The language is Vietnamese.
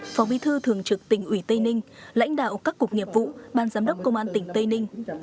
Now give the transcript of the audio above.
phó bí thư thường trực tỉnh ủy tây ninh lãnh đạo các cục nghiệp vụ ban giám đốc công an tỉnh tây ninh